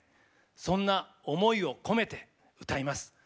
そんな思いを込めて歌います。